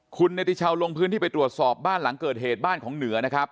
คุณเนติชาวลงพื้นที่ไปตรวจสอบบ้านหลังเกิดเหตุบ้านของเหนือนะครับ